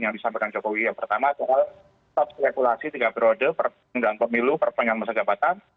padahal jokowi yang pertama soal top regulasi tiga periode perpanjangan pemilu perpanjangan masa jabatan